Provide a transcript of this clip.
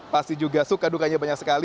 pasti juga suka dukanya banyak sekali